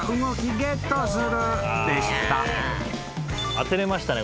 当てられましたね